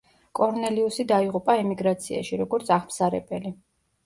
კორნელიუსი დაიღუპა ემიგრაციაში, როგორც აღმსარებელი.